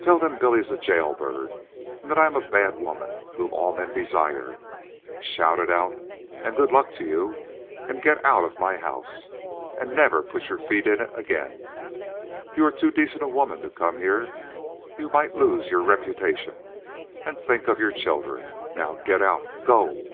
Tell them Billy is a jailbird and that I am a bad woman whom all men desire. Shout it out, and good luck to you. And get out of my house. And never put your feet in it again. You are too decent a woman to come here. You might lose your reputation. And think of your children. Now get out. Go."